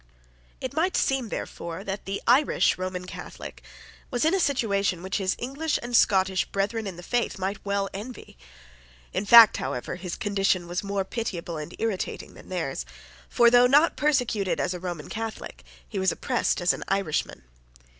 It might seem, therefore, that the Irish Roman Catholic was in a situation which his English and Scottish brethren in the faith might well envy. In fact, however, his condition was more pitiable and irritating than theirs. For, though not persecuted as a Roman Catholic, he was oppressed as an Irishman.